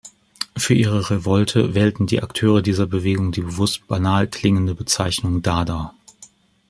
Für ihre Revolte wählten die Akteure dieser Bewegung die bewusst banal klingende Bezeichnung "Dada".